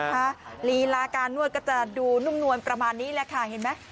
ลีลาการนวดก็จะดูนุ่มนวลประมาณนี้แหละค่ะเห็นไหม